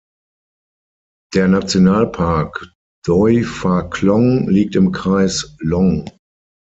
Der Nationalpark Doi Pha Klong liegt im Kreis Long.